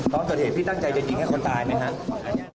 ตอนเกิดเหตุพี่ตั้งใจจะยิงให้คนตายไหมครับ